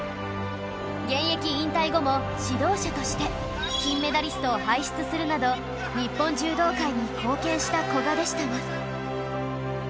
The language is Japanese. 現役引退後も指導者として金メダリストを輩出するなど日本柔道界に貢献した古賀でしたが